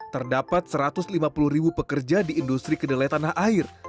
terdapat satu ratus lima puluh ribu pekerja di industri kedelai tanah air